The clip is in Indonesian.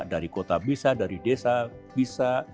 dari kota bisa dari desa bisa